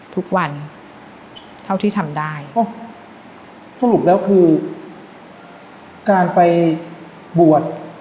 ทุกวันเท่าที่ทำได้สรุปแล้วคือการไปบวช